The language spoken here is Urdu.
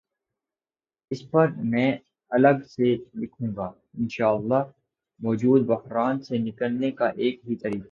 اس پرمیں الگ سے لکھوں گا، انشا اللہ مو جودہ بحران سے نکلنے کا ایک ہی طریقہ ہے۔